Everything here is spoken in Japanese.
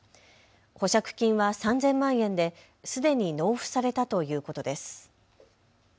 保釈金は３０００万円ですでに納付されたということです。